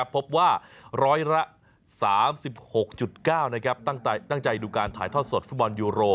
พบว่าร้อยละ๓๖๙ตั้งใจดูการถ่ายทอดสดฟุตบอลยูโร